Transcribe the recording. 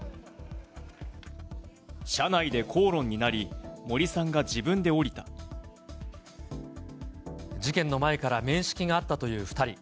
車内で口論になり、森さんが事件の前から面識があったという２人。